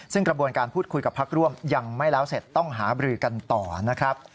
ซึ่งกระบวนการพูดคุยกับพักร่วมยังไม่แล้วเสร็จต้องหาบรือกันต่อนะครับ